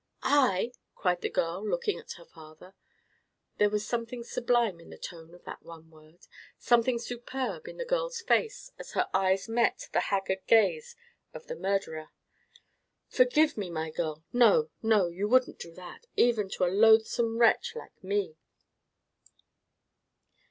"I!" cried the girl, looking at her father. There was something sublime in the tone of that one word—something superb in the girl's face, as her eyes met the haggard gaze of the murderer. "Forgive me, my girl! No, no, you wouldn't do that, even to a loathsome wretch like me!"